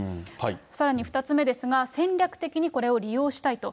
さらに２つ目ですが、戦略的にこれを利用したいと。